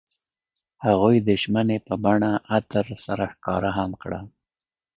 هغوی د ژمنې په بڼه عطر سره ښکاره هم کړه.